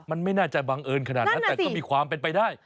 มันไม่น่าจะบังเอิญขนาดนั้นแต่ก็มีความเป็นไปได้